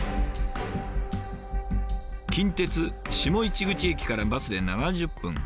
近鉄下市口駅からバスで７０分。